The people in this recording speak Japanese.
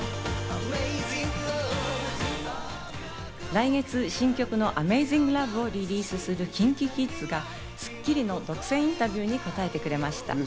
来月、新曲の『ＡｍａｚｉｎｇＬｏｖｅ』をリリースするＫｉｎＫｉＫｉｄｓが『スッキリ』の独占インタビューに答えてくれました。